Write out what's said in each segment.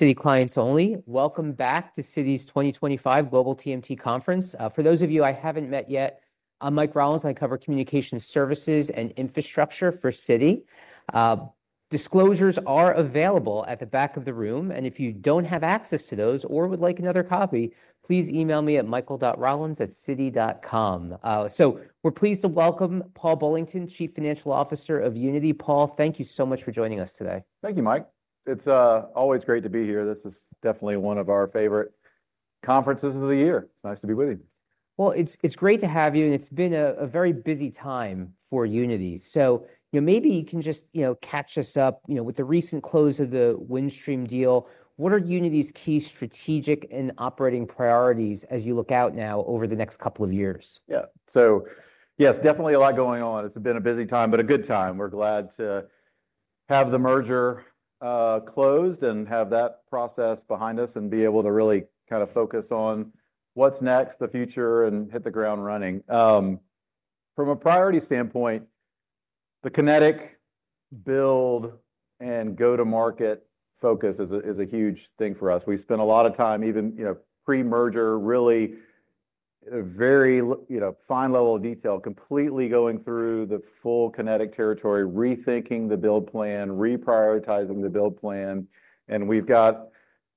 Citi clients only. Welcome back to Citi's 2025 Global TMT Conference. For those of you I haven't met yet, I'm Mike Rollins. I cover communication services and infrastructure for Citi. Disclosures are available at the back of the room, and if you don't have access to those or would like another copy, please email me at michael.rollins@citi.com. We're pleased to welcome Paul Bullington, Chief Financial Officer of Uniti. Paul, thank you so much for joining us today. Thank you, Mike. It's always great to be here. This is definitely one of our favorite conferences of the year. It's nice to be with you. It's great to have you, and it's been a very busy time for Uniti. Maybe you can just catch us up with the recent close of the Windstream deal. What are Uniti's key strategic and operating priorities as you look out now over the next couple of years? Yeah. So yes, definitely a lot going on. It's been a busy time, but a good time. We're glad to have the merger closed and have that process behind us and be able to really kind of focus on what's next, the future, and hit the ground running. From a priority standpoint, the Kinetic build and go-to-market focus is a huge thing for us. We spent a lot of time even pre-merger, really very fine level of detail, completely going through the full Kinetic territory, rethinking the build plan, reprioritizing the build plan. And we've got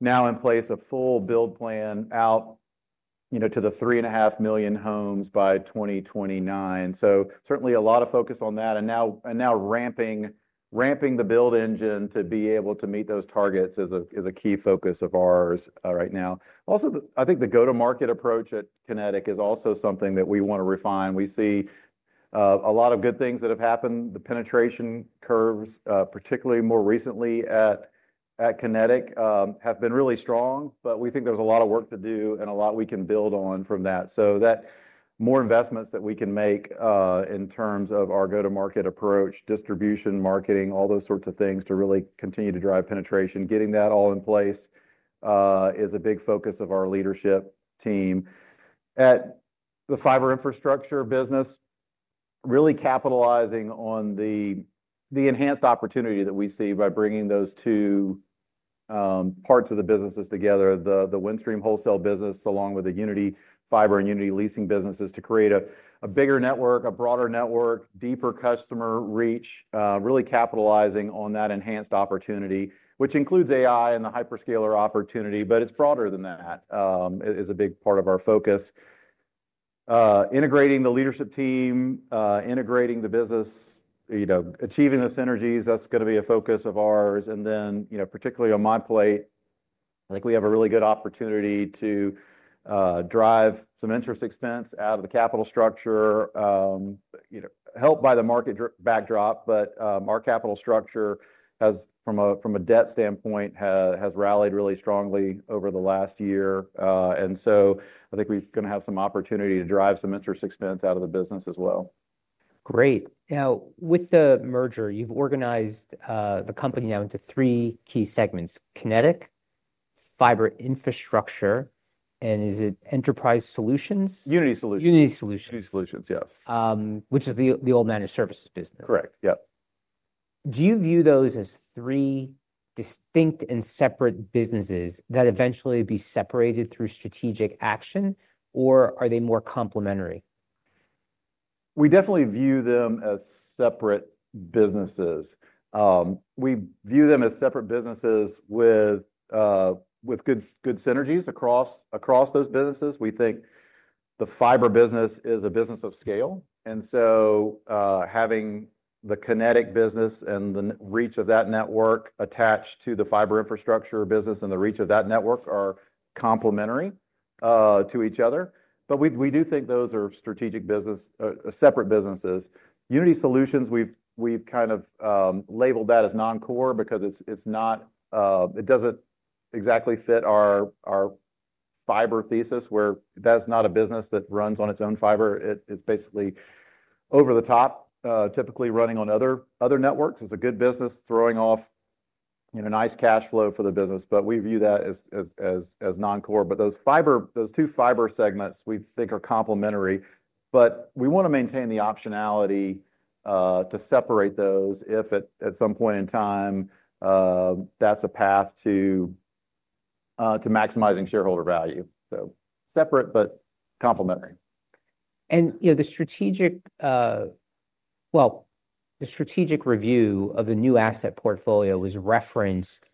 now in place a full build plan out to the 3.5 million homes by 2029. So certainly a lot of focus on that and now ramping the build engine to be able to meet those targets is a key focus of ours right now. Also, I think the go-to-market approach at Kinetic is also something that we want to refine. We see a lot of good things that have happened. The penetration curves, particularly more recently at Kinetic, have been really strong, but we think there's a lot of work to do and a lot we can build on from that. So, that more investments that we can make in terms of our go-to-market approach, distribution, marketing, all those sorts of things to really continue to drive penetration. Getting that all in place is a big focus of our leadership team. At the Fiber Infrastructure business, really capitalizing on the enhanced opportunity that we see by bringing those two parts of the businesses together, the Windstream Wholesale business along with the Uniti Fiber and Uniti Leasing businesses to create a bigger network, a broader network, deeper customer reach, really capitalizing on that enhanced opportunity, which includes AI and the hyperscaler opportunity, but it's broader than that. It is a big part of our focus. Integrating the leadership team, integrating the business, achieving the synergies, that's going to be a focus of ours, and then particularly on my plate, I think we have a really good opportunity to drive some interest expense out of the capital structure, helped by the market backdrop, but our capital structure from a debt standpoint has rallied really strongly over the last year. So I think we're going to have some opportunity to drive some interest expense out of the business as well. Great. Now, with the merger, you've organized the company now into three key segments: Kinetic, Fiber Infrastructure, and is it enterprise solutions? Uniti Solutions. Uniti Solutions. Uniti Solutions, yes. Which is the old managed services business. Correct. Yep. Do you view those as three distinct and separate businesses that eventually be separated through strategic action, or are they more complementary? We definitely view them as separate businesses. We view them as separate businesses with good synergies across those businesses. We think the fiber business is a business of scale, and so having the Kinetic business and the reach of that network attached to the Fiber Infrastructure business and the reach of that network are complementary to each other. But we do think those are strategic business, separate businesses. Uniti Solutions, we've kind of labeled that as non-core because it doesn't exactly fit our fiber thesis where that's not a business that runs on its own fiber. It's basically over the top, typically running on other networks. It's a good business, throwing off nice cash flow for the business, but we view that as non-core. But those two fiber segments, we think are complementary, but we want to maintain the optionality to separate those if at some point in time that's a path to maximizing shareholder value. So separate, but complementary. The strategic review of the new asset portfolio was referenced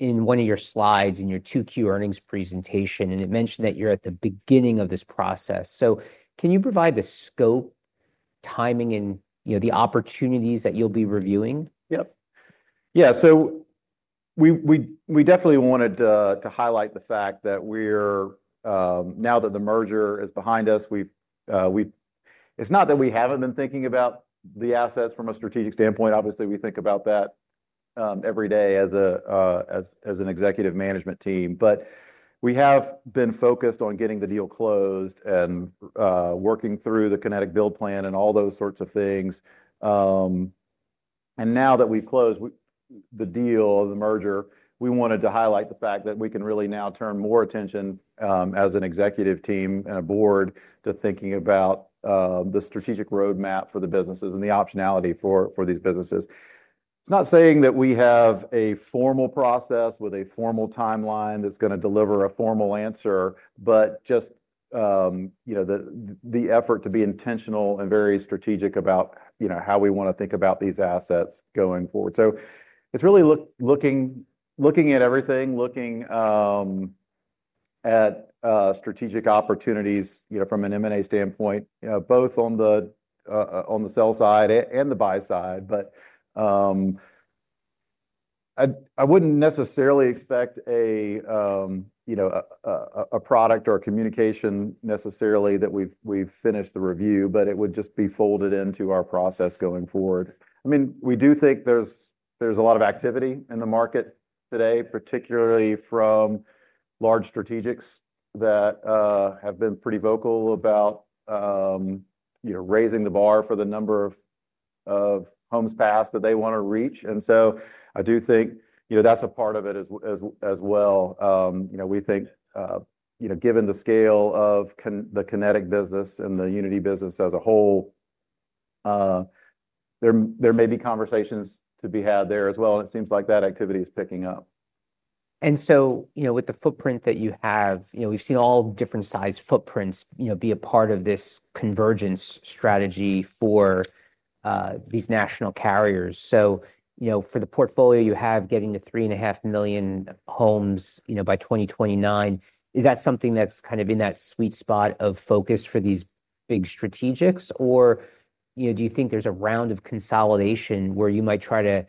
in one of your slides in your 2Q earnings presentation, and it mentioned that you're at the beginning of this process. Can you provide the scope, timing, and the opportunities that you'll be reviewing? Yep. Yeah. So we definitely wanted to highlight the fact that now that the merger is behind us, it's not that we haven't been thinking about the assets from a strategic standpoint. Obviously, we think about that every day as an executive management team, but we have been focused on getting the deal closed and working through the Kinetic build plan and all those sorts of things. And now that we've closed the deal, the merger, we wanted to highlight the fact that we can really now turn more attention as an executive team and a board to thinking about the strategic roadmap for the businesses and the optionality for these businesses. It's not saying that we have a formal process with a formal timeline that's going to deliver a formal answer, but just the effort to be intentional and very strategic about how we want to think about these assets going forward. So it's really looking at everything, looking at strategic opportunities from an M&A standpoint, both on the sell side and the buy side. But I wouldn't necessarily expect a product or a communication necessarily that we've finished the review, but it would just be folded into our process going forward. I mean, we do think there's a lot of activity in the market today, particularly from large strategics that have been pretty vocal about raising the bar for the number of homes passed that they want to reach. And so I do think that's a part of it as well. We think given the scale of the Kinetic business and the Uniti business as a whole, there may be conversations to be had there as well, and it seems like that activity is picking up. And so with the footprint that you have, we've seen all different size footprints be a part of this convergence strategy for these national carriers. So for the portfolio you have, getting to 3.5 million homes by 2029, is that something that's kind of in that sweet spot of focus for these big strategics? Or do you think there's a round of consolidation where you might try to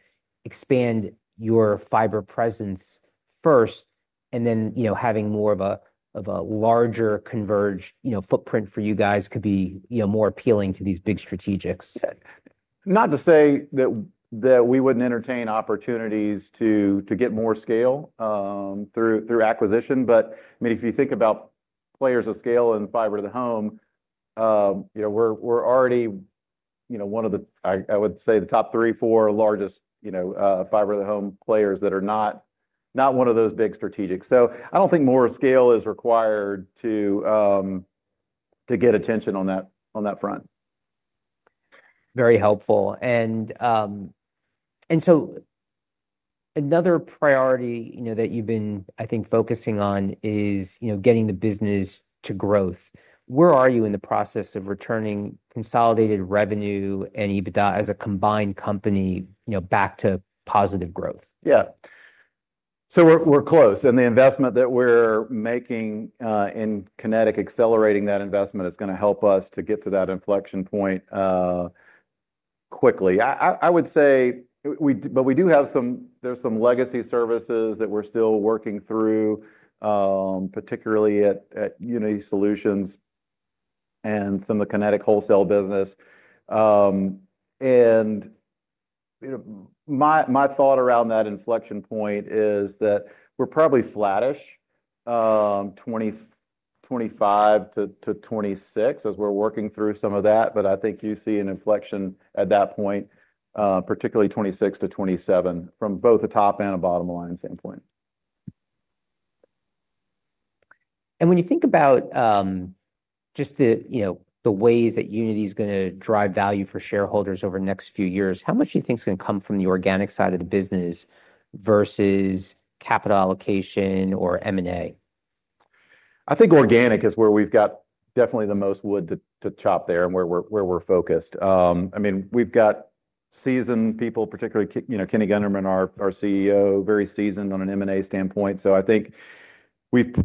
expand your fiber presence first and then having more of a larger converged footprint for you guys could be more appealing to these big strategics? Not to say that we wouldn't entertain opportunities to get more scale through acquisition, but if you think about players of scale in fiber to the home, we're already one of the, I would say, the top three, four largest fiber to the home players that are not one of those big strategics. So I don't think more scale is required to get attention on that front. Very helpful. And so another priority that you've been, I think, focusing on is getting the business to growth. Where are you in the process of returning consolidated revenue and EBITDA as a combined company back to positive growth? Yeah. So we're close. The investment that we're making in Kinetic, accelerating that investment, is going to help us to get to that inflection point quickly. I would say, but we do have some. There's some legacy services that we're still working through, particularly at Uniti Solutions and some of the Kinetic wholesale business. My thought around that inflection point is that we're probably flatish 2025-2026 as we're working through some of that, but I think you see an inflection at that point, particularly 2026-2027 from both the top and the bottom line standpoint. And when you think about just the ways that Uniti is going to drive value for shareholders over the next few years, how much do you think is going to come from the organic side of the business versus capital allocation or M&A? I think organic is where we've got definitely the most wood to chop there and where we're focused. I mean, we've got seasoned people, particularly Kenny Gunderman, our CEO, very seasoned on an M&A standpoint. So I think we've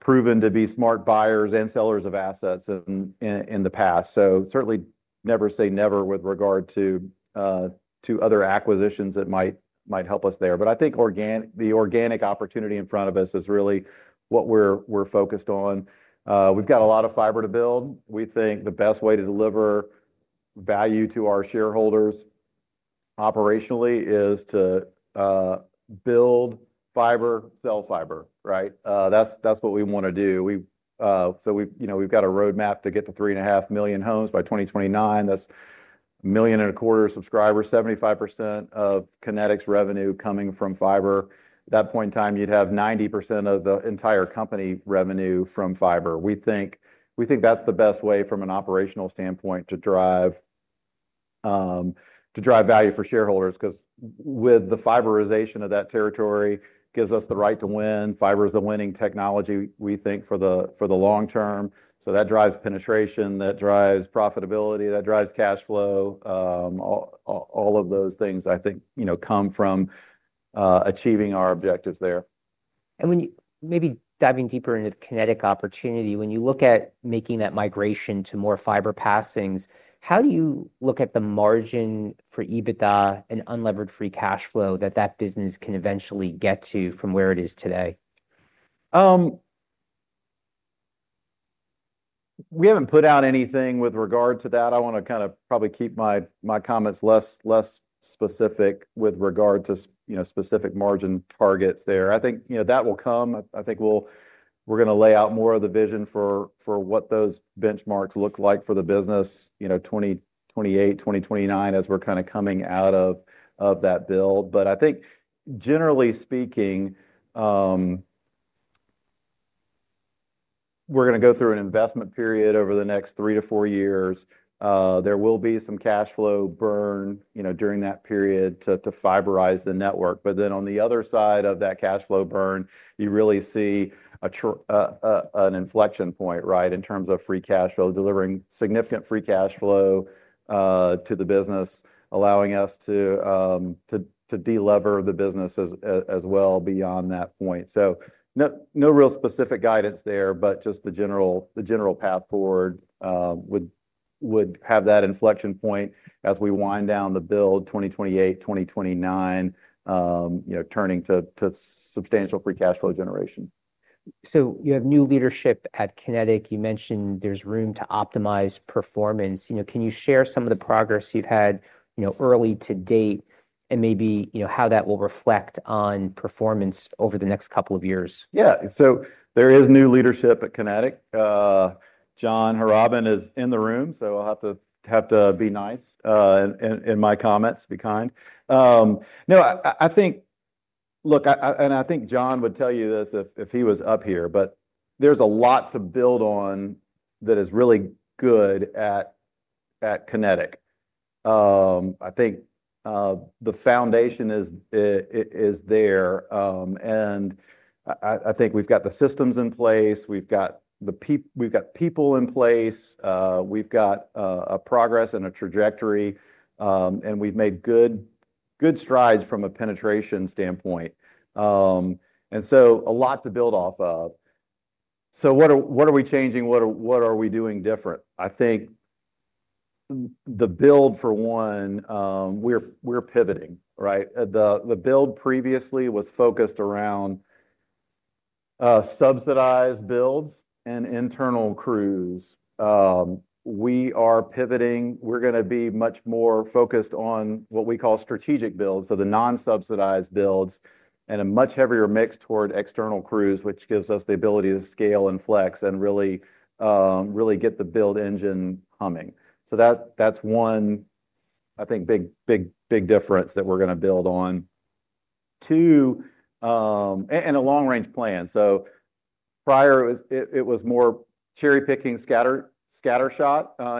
proven to be smart buyers and sellers of assets in the past. So certainly never say never with regard to other acquisitions that might help us there. But I think the organic opportunity in front of us is really what we're focused on. We've got a lot of fiber to build. We think the best way to deliver value to our shareholders operationally is to build fiber, sell fiber, right? That's what we want to do. So we've got a roadmap to get to 3.5 million homes by 2029. That's 1.25 million subscribers, 75% of Kinetic's revenue coming from fiber. At that point in time, you'd have 90% of the entire company revenue from fiber. We think that's the best way from an operational standpoint to drive value for shareholders because with the fiberization of that territory gives us the right to win. Fiber is the winning technology, we think, for the long term. So that drives penetration, that drives profitability, that drives cash flow. All of those things, I think, come from achieving our objectives there. Maybe diving deeper into the Kinetic opportunity, when you look at making that migration to more fiber passings, how do you look at the margin for EBITDA and unleveraged free cash flow that that business can eventually get to from where it is today? We haven't put out anything with regard to that. I want to kind of probably keep my comments less specific with regard to specific margin targets there. I think that will come. I think we're going to lay out more of the vision for what those benchmarks look like for the business 2028, 2029 as we're kind of coming out of that build. But I think generally speaking, we're going to go through an investment period over the next three to four years. There will be some cash flow burn during that period to fiberize the network. But then on the other side of that cash flow burn, you really see an inflection point, right, in terms of free cash flow, delivering significant free cash flow to the business, allowing us to delever the business as well beyond that point. So no real specific guidance there, but just the general path forward would have that inflection point as we wind down the build 2028, 2029, turning to substantial free cash flow generation. So, you have new leadership at Kinetic. You mentioned there's room to optimize performance. Can you share some of the progress you've had early to date and maybe how that will reflect on performance over the next couple of years? Yeah. So there is new leadership at Kinetic. John Harrobin is in the room, so I'll have to be nice in my comments, be kind. No, I think, look, and I think John would tell you this if he was up here, but there's a lot to build on that is really good at Kinetic. I think the foundation is there. And I think we've got the systems in place. We've got people in place. We've got a progress and a trajectory. And we've made good strides from a penetration standpoint. And so a lot to build off of. So what are we changing? What are we doing different? I think the build, for one, we're pivoting, right? The build previously was focused around subsidized builds and internal crews. We are pivoting. We're going to be much more focused on what we call strategic builds. So, the non-subsidized builds and a much heavier mix toward external crews, which gives us the ability to scale and flex and really get the build engine humming. So, that's one, I think, big difference that we're going to build on. Two, and a long-range plan. So, prior, it was more cherry-picking, scattershot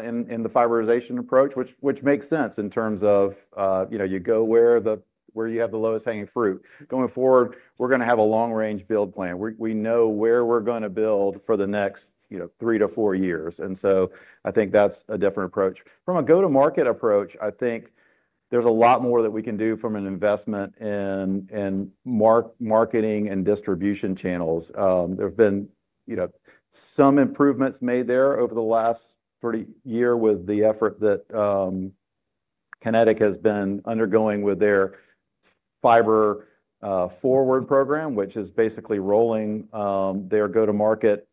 in the fiberization approach, which makes sense in terms of you go where you have the lowest hanging fruit. Going forward, we're going to have a long-range build plan. We know where we're going to build for the next three to four years. And so, I think that's a different approach. From a go-to-market approach, I think there's a lot more that we can do from an investment in marketing and distribution channels. There have been some improvements made there over the last year with the effort that Kinetic has been undergoing with their Fiber Forward program, which is basically rolling their go-to-market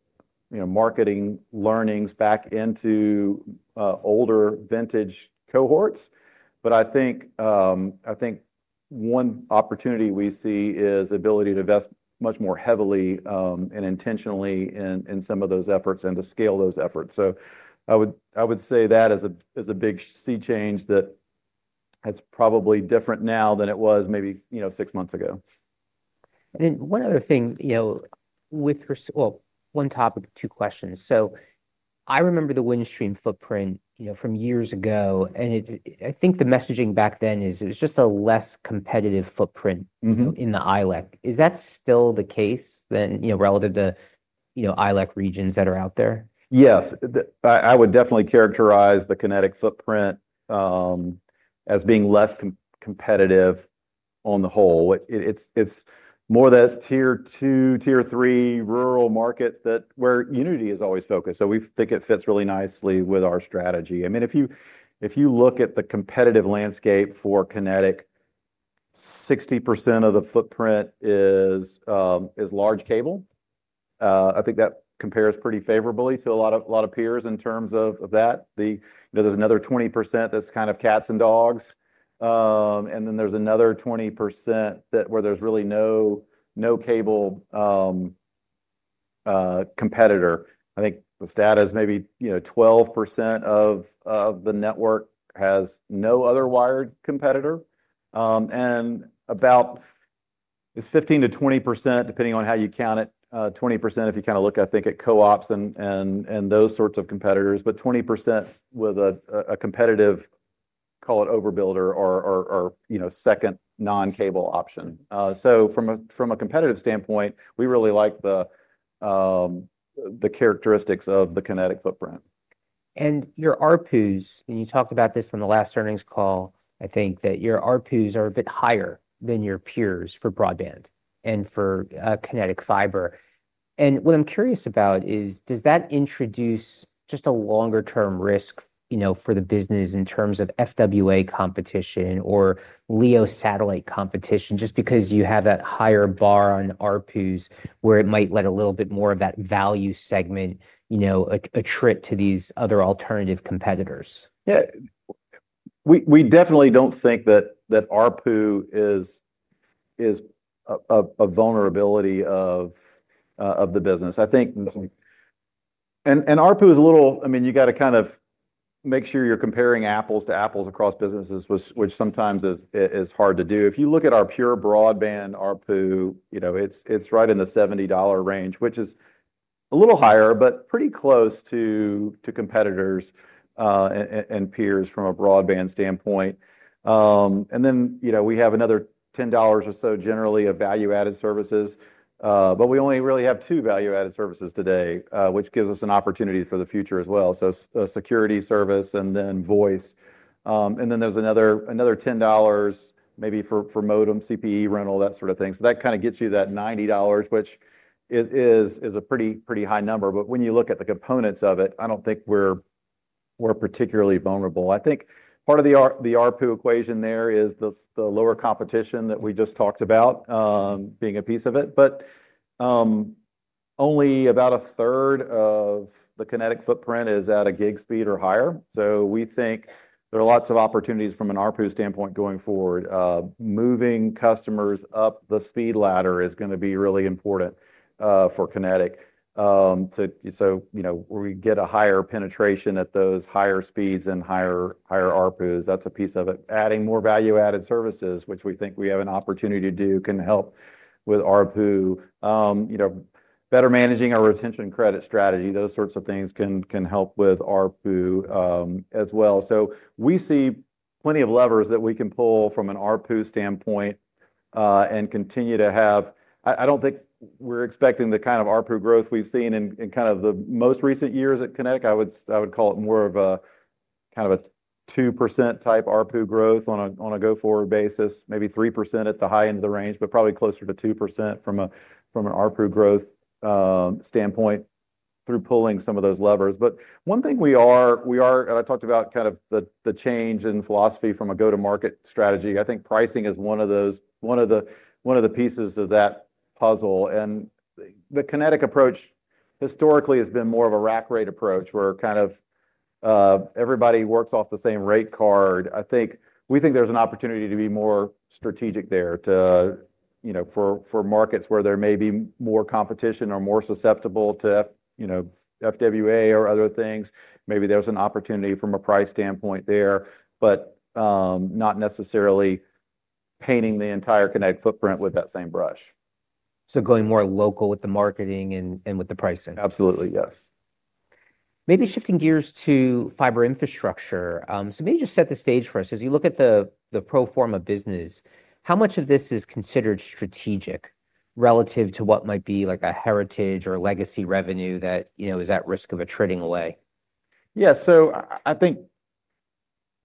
marketing learnings back into older vintage cohorts. But I think one opportunity we see is the ability to invest much more heavily and intentionally in some of those efforts and to scale those efforts. So I would say that as a big sea change that it's probably different now than it was maybe six months ago. And then one other thing with, well, one topic, two questions. So I remember the Windstream footprint from years ago, and I think the messaging back then is it was just a less competitive footprint in the ILEC. Is that still the case relative to ILEC regions that are out there? Yes. I would definitely characterize the Kinetic footprint as being less competitive on the whole. It's more that tier two, tier three rural markets where Uniti is always focused. So we think it fits really nicely with our strategy. I mean, if you look at the competitive landscape for Kinetic, 60% of the footprint is large cable. I think that compares pretty favorably to a lot of peers in terms of that. There's another 20% that's kind of cats and dogs. And then there's another 20% where there's really no cable competitor. I think the stat is maybe 12% of the network has no other wired competitor. And about it's 15%-20%, depending on how you count it, 20% if you kind of look, I think, at co-ops and those sorts of competitors, but 20% with a competitive, call it overbuilder or second non-cable option. From a competitive standpoint, we really like the characteristics of the Kinetic footprint. And your ARPUs, and you talked about this on the last earnings call. I think that your ARPUs are a bit higher than your peers for broadband and for Kinetic fiber. And what I'm curious about is, does that introduce just a longer-term risk for the business in terms of FWA competition or LEO satellite competition, just because you have that higher bar on ARPUs where it might let a little bit more of that value segment attract to these other alternative competitors? Yeah. We definitely don't think that ARPU is a vulnerability of the business. I think, and ARPU is a little, I mean, you got to kind of make sure you're comparing apples to apples across businesses, which sometimes is hard to do. If you look at our pure broadband ARPU, it's right in the $70 range, which is a little higher, but pretty close to competitors and peers from a broadband standpoint, and then we have another $10 or so generally of value-added services, but we only really have two value-added services today, which gives us an opportunity for the future as well, so a security service and then voice, and then there's another $10 maybe for modem, CPE rental, that sort of thing, so that kind of gets you that $90, which is a pretty high number. But when you look at the components of it, I don't think we're particularly vulnerable. I think part of the ARPU equation there is the lower competition that we just talked about being a piece of it. But only about a third of the Kinetic footprint is at a gig speed or higher. So we think there are lots of opportunities from an ARPU standpoint going forward. Moving customers up the speed ladder is going to be really important for Kinetic. So we get a higher penetration at those higher speeds and higher ARPUs. That's a piece of it. Adding more value-added services, which we think we have an opportunity to do, can help with ARPU. Better managing our retention credit strategy, those sorts of things can help with ARPU as well. So we see plenty of levers that we can pull from an ARPU standpoint and continue to have. I don't think we're expecting the kind of ARPU growth we've seen in kind of the most recent years at Kinetic. I would call it more of a kind of a 2% type ARPU growth on a go-forward basis, maybe 3% at the high end of the range, but probably closer to 2% from an ARPU growth standpoint through pulling some of those levers. But one thing we are, and I talked about kind of the change in philosophy from a go-to-market strategy. I think pricing is one of the pieces of that puzzle. And the Kinetic approach historically has been more of a rack rate approach where kind of everybody works off the same rate card. I think we think there's an opportunity to be more strategic there for markets where there may be more competition or more susceptible to FWA or other things. Maybe there's an opportunity from a price standpoint there, but not necessarily painting the entire Kinetic footprint with that same brush. Going more local with the marketing and with the pricing. Absolutely, yes. Maybe shifting gears to Fiber Infrastructure. So maybe just set the stage for us. As you look at the pro forma business, how much of this is considered strategic relative to what might be like a heritage or legacy revenue that is at risk of a trading away? Yeah. So I think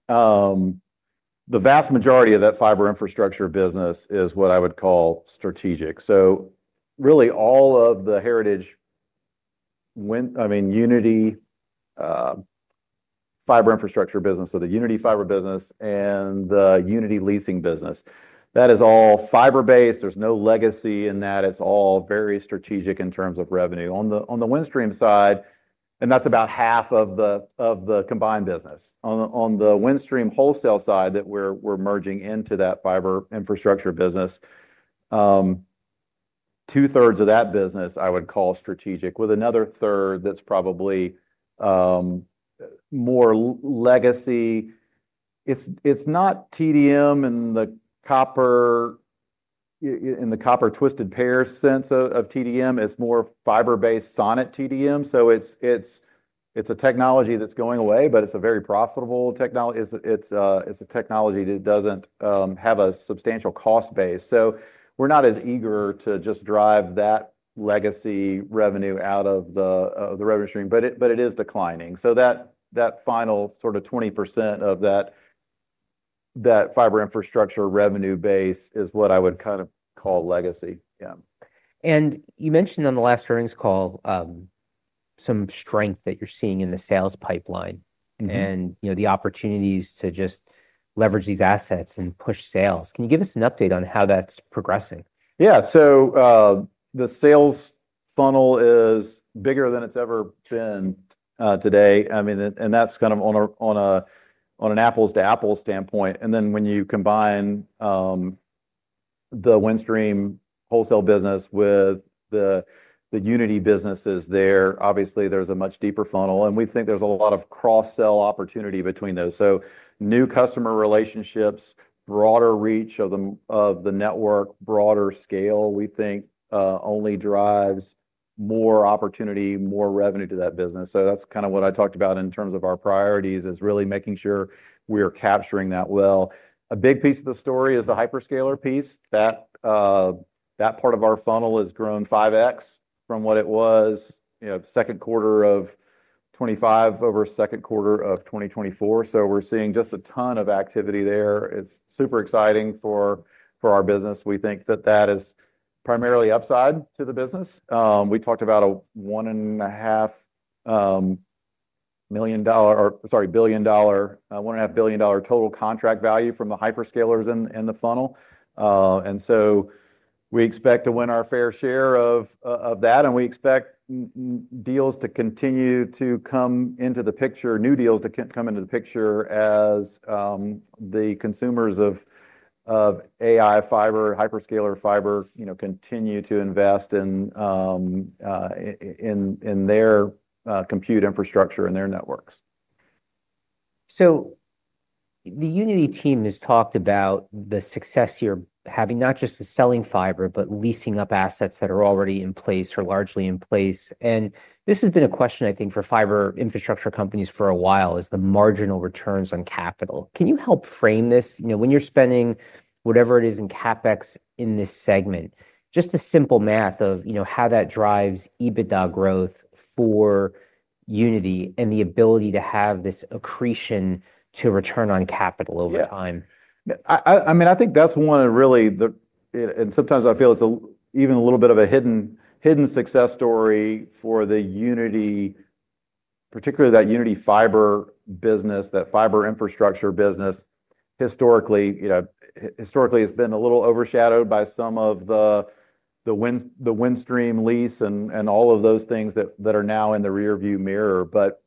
the vast majority of that Fiber Infrastructure business is what I would call strategic. So really all of the heritage, I mean, Uniti Fiber Infrastructure business, so the Uniti Fiber business and the Uniti Leasing business, that is all fiber-based. There's no legacy in that. It's all very strategic in terms of revenue. On the Windstream side, and that's about half of the combined business. On the Windstream Wholesale side that we're merging into that Fiber Infrastructure business, two-thirds of that business I would call strategic with another third that's probably more legacy. It's not TDM and the copper twisted pair sense of TDM. It's more fiber-based SONET TDM. So it's a technology that's going away, but it's a very profitable technology. It's a technology that doesn't have a substantial cost base. So we're not as eager to just drive that legacy revenue out of the revenue stream, but it is declining. So that final sort of 20% of that Fiber Infrastructure revenue base is what I would kind of call legacy. Yeah. And you mentioned on the last earnings call some strength that you're seeing in the sales pipeline and the opportunities to just leverage these assets and push sales. Can you give us an update on how that's progressing? Yeah. So the sales funnel is bigger than it's ever been today. I mean, and that's kind of on an apples-to-apples standpoint. And then when you combine the Windstream Wholesale business with the Uniti businesses there, obviously there's a much deeper funnel. And we think there's a lot of cross-sell opportunity between those. So new customer relationships, broader reach of the network, broader scale, we think only drives more opportunity, more revenue to that business. So that's kind of what I talked about in terms of our priorities is really making sure we are capturing that well. A big piece of the story is the hyperscaler piece. That part of our funnel has grown 5x from what it was second quarter of 2025 over second quarter of 2024. So we're seeing just a ton of activity there. It's super exciting for our business. We think that that is primarily upside to the business. We talked about a $1.5 million, or sorry, billion dollar, $1.5 billion total contract value from the hyperscalers in the funnel. And so we expect to win our fair share of that. And we expect deals to continue to come into the picture, new deals to come into the picture as the consumers of AI fiber, hyperscaler fiber continue to invest in their compute infrastructure and their networks. So the Uniti team has talked about the success you're having not just with selling fiber, but leasing up assets that are already in place or largely in place. And this has been a question, I think, for Fiber Infrastructure companies for a while: is the marginal returns on capital. Can you help frame this? When you're spending whatever it is in CapEx in this segment, just the simple math of how that drives EBITDA growth for Uniti and the ability to have this accretion to return on capital over time. Yeah. I mean, I think that's one of really, and sometimes I feel it's even a little bit of a hidden success story for the Uniti, particularly that Uniti Fiber business, that Fiber Infrastructure business. Historically, it's been a little overshadowed by some of the Windstream lease and all of those things that are now in the rearview mirror. But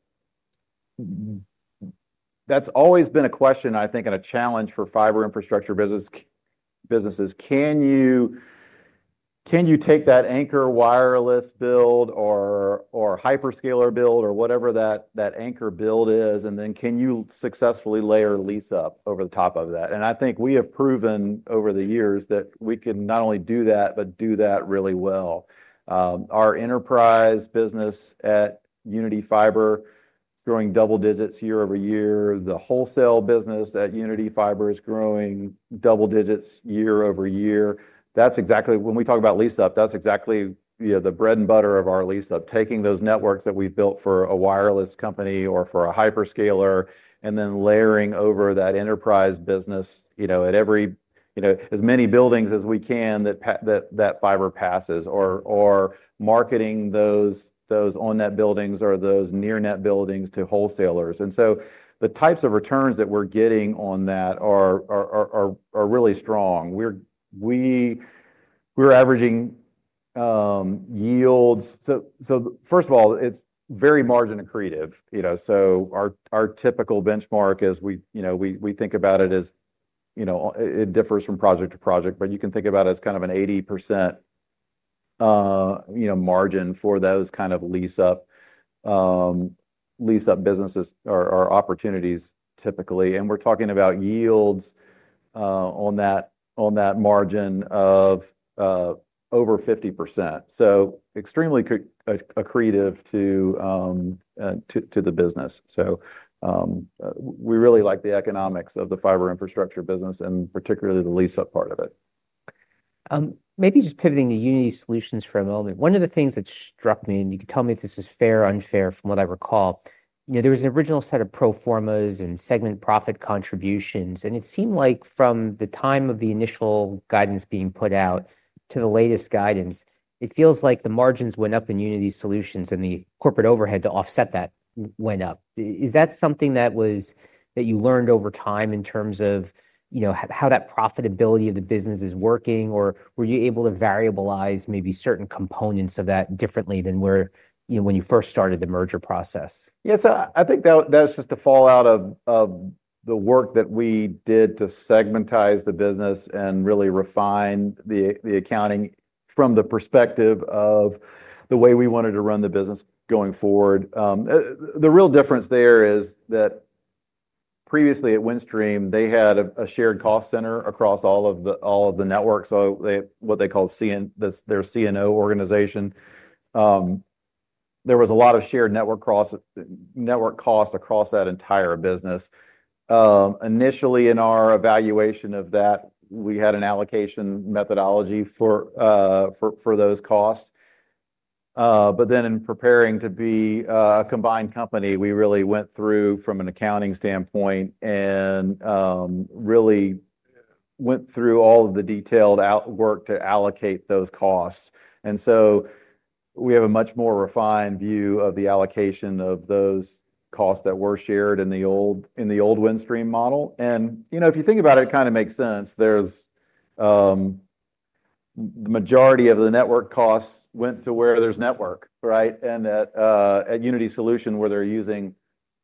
that's always been a question, I think, and a challenge for Fiber Infrastructure businesses. Can you take that anchor wireless build or hyperscaler build or whatever that anchor build is, and then can you successfully layer lease up over the top of that? And I think we have proven over the years that we can not only do that, but do that really well. Our enterprise business at Uniti Fiber is growing double digits year over year. The wholesale business at Uniti Fiber is growing double digits year over year. That's exactly when we talk about lease up, that's exactly the bread and butter of our lease up, taking those networks that we've built for a wireless company or for a hyperscaler and then layering over that enterprise business at as many buildings as we can that fiber passes or marketing those on-net buildings or those near-net buildings to wholesalers, and so the types of returns that we're getting on that are really strong. We're averaging yields, so first of all, it's very margin accretive, so our typical benchmark is we think about it as it differs from project to project, but you can think about it as kind of an 80% margin for those kind of lease up businesses or opportunities typically, and we're talking about yields on that margin of over 50%, so extremely accretive to the business. So we really like the economics of the Fiber Infrastructure business and particularly the lease up part of it. Maybe just pivoting to Uniti Solutions for a moment. One of the things that struck me, and you can tell me if this is fair or unfair from what I recall, there was an original set of pro formas and segment profit contributions, and it seemed like from the time of the initial guidance being put out to the latest guidance, it feels like the margins went up in Uniti Solutions and the corporate overhead to offset that went up. Is that something that you learned over time in terms of how that profitability of the business is working, or were you able to variabilize maybe certain components of that differently than when you first started the merger process? Yeah. So I think that was just a fallout of the work that we did to segmentize the business and really refine the accounting from the perspective of the way we wanted to run the business going forward. The real difference there is that previously at Windstream, they had a shared cost center across all of the networks, what they call their CNO organization. There was a lot of shared network costs across that entire business. Initially, in our evaluation of that, we had an allocation methodology for those costs. But then in preparing to be a combined company, we really went through from an accounting standpoint and really went through all of the detailed work to allocate those costs. And so we have a much more refined view of the allocation of those costs that were shared in the old Windstream model. And if you think about it, it kind of makes sense. The majority of the network costs went to where there's network, right? And at Uniti Solutions, where they're using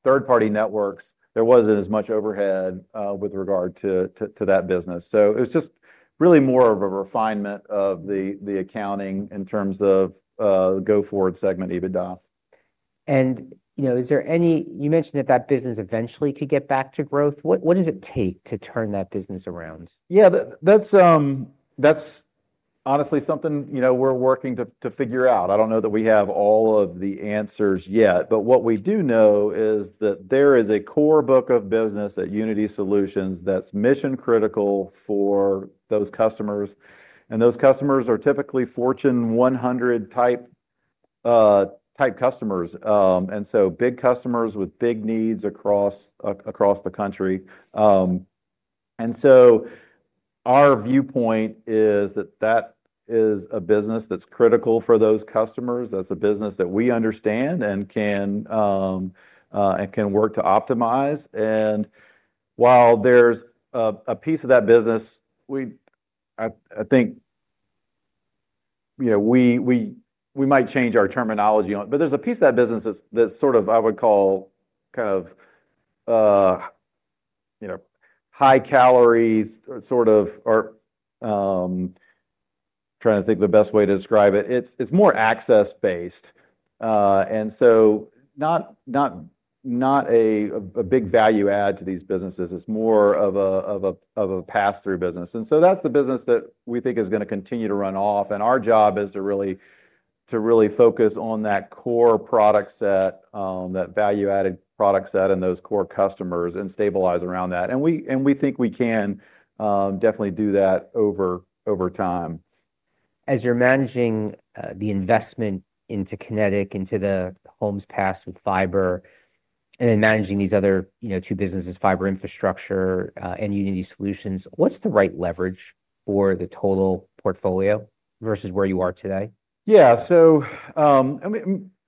third-party networks, there wasn't as much overhead with regard to that business. So it was just really more of a refinement of the accounting in terms of go-forward segment EBITDA. You mentioned that that business eventually could get back to growth. What does it take to turn that business around? Yeah. That's honestly something we're working to figure out. I don't know that we have all of the answers yet, but what we do know is that there is a core book of business at Uniti Solutions that's mission-critical for those customers. Those customers are typically Fortune 100 type customers. So big customers with big needs across the country. Our viewpoint is that that is a business that's critical for those customers. That's a business that we understand and can work to optimize. While there's a piece of that business, I think we might change our terminology on it, but there's a piece of that business that's sort of, I would call kind of high calories, sort of, or trying to think of the best way to describe it. It's more access-based. So not a big value add to these businesses. It's more of a pass-through business, and so that's the business that we think is going to continue to run off, and our job is to really focus on that core product set, that value-added product set and those core customers and stabilize around that, and we think we can definitely do that over time. As you're managing the investment into Kinetic, into the homes passed with fiber, and then managing these other two businesses, Fiber Infrastructure and Uniti Solutions, what's the right leverage for the total portfolio versus where you are today? Yeah.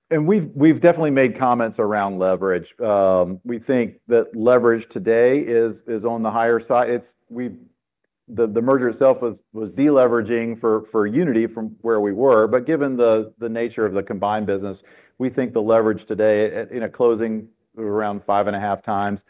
And we've definitely made comments around leverage. We think that leverage today is on the higher side. The merger itself was deleveraging for Uniti from where we were. But given the nature of the combined business, we think the leverage today, closing around five and a half times,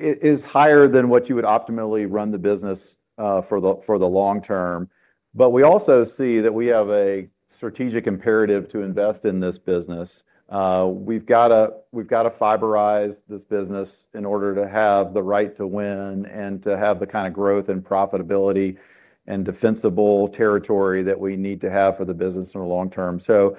is higher than what you would optimally run the business for the long term. But we also see that we have a strategic imperative to invest in this business. We've got to fiberize this business in order to have the right to win and to have the kind of growth and profitability and defensible territory that we need to have for the business in the long term. So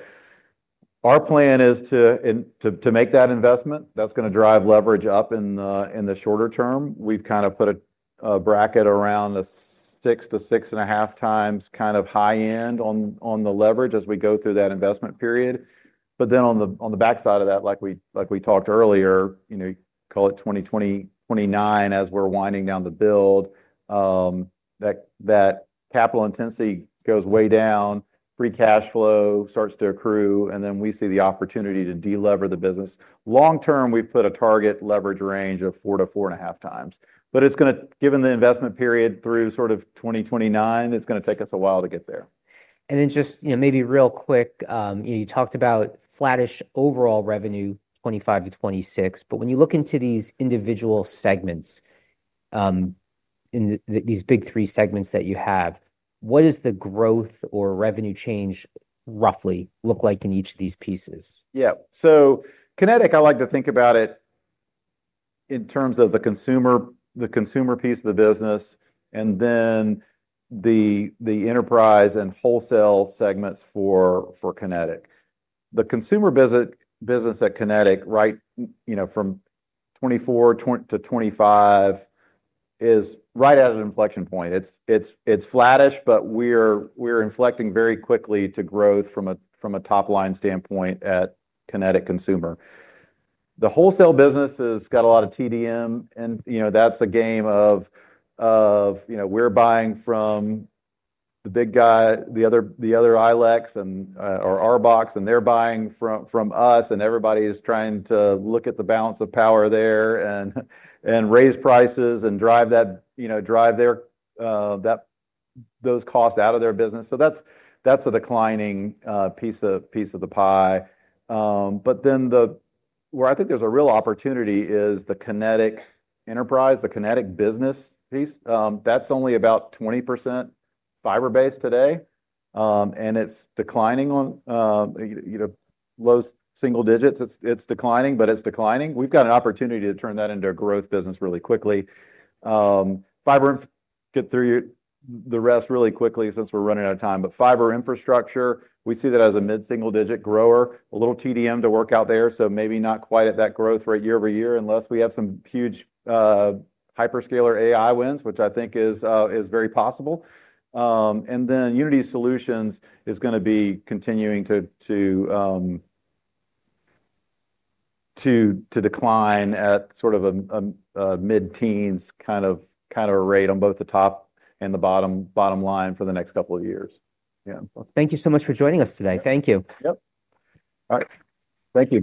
our plan is to make that investment. That's going to drive leverage up in the shorter term. We've kind of put a bracket around a six to six and a half times kind of high end on the leverage as we go through that investment period. But then on the backside of that, like we talked earlier, call it 2029 as we're winding down the build, that capital intensity goes way down, free cash flow starts to accrue, and then we see the opportunity to delever the business. Long term, we've put a target leverage range of four to four and a half times. But given the investment period through sort of 2029, it's going to take us a while to get there. And then just maybe real quick, you talked about flattish overall revenue, $25-$26. But when you look into these individual segments, these big three segments that you have, what does the growth or revenue change roughly look like in each of these pieces? Yeah. So Kinetic, I like to think about it in terms of the consumer piece of the business and then the enterprise and wholesale segments for Kinetic. The consumer business at Kinetic from 2024 to 2025 is right at an inflection point. It's flattish, but we're inflecting very quickly to growth from a top-line standpoint at Kinetic consumer. The wholesale business has got a lot of TDM, and that's a game of we're buying from the big guy, the other ILECs or RBOC, and they're buying from us, and everybody is trying to look at the balance of power there and raise prices and drive those costs out of their business. So that's a declining piece of the pie. But then where I think there's a real opportunity is the Kinetic enterprise, the Kinetic business piece. That's only about 20% fiber-based today, and it's declining on low single digits. It's declining, but it's declining. We've got an opportunity to turn that into a growth business really quickly. Fiber. Get through the rest really quickly since we're running out of time. But Fiber Infrastructure, we see that as a mid-single-digit grower, a little TDM to work out there. So maybe not quite at that growth rate year over year unless we have some huge hyperscaler AI wins, which I think is very possible. And then Uniti Solutions is going to be continuing to decline at sort of a mid-teens kind of rate on both the top and the bottom line for the next couple of years. Yeah. Thank you so much for joining us today. Thank you. Yep. All right. Thank you.